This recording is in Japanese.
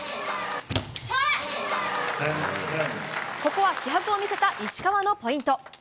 ここは気迫を見せた石川のポイント。